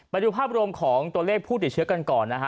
ไปดูภาพรวมของตัวเลขผู้ติดเชื้อกันก่อนนะฮะ